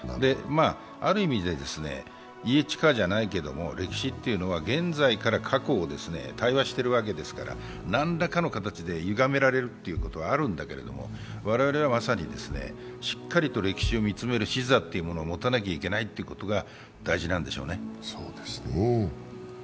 ある意味で歴史というのは現在から過去を対話しているわけですから何らかの形でゆがめられるってことはあるんだけど我々は、まさにしっかりと歴史を見つめる視座を持たなきゃいけないことが大事なんでしょうね。